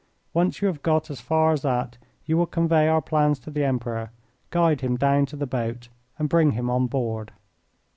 Once you have got as far as that you will convey our plans to the Emperor, guide him down to the boat, and bring him on board."